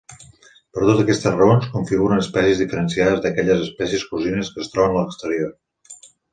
Per totes aquestes raons, configuren espècies diferenciades d'aquelles espècies cosines que es troben a l'exterior.